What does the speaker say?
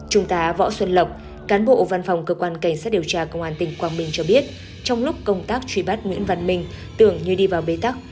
trung tá võ xuân lộc cán bộ văn phòng cơ quan cảnh sát điều tra công an tỉnh quảng bình cho biết trong lúc công tác truy bắt nguyễn văn minh tưởng như đi vào bế tắc